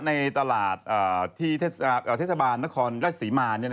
ในตลาดทศบาลนครราชสีมาน